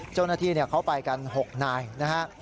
เจ้าหน้าที่เขาไปกัน๖นายนะฮะ